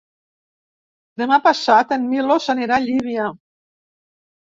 Demà passat en Milos anirà a Llívia.